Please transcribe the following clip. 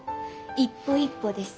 一歩一歩です。